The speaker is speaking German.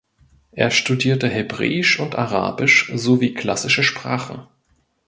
Er studierte Hebräisch und Arabisch sowie klassische Sprachen.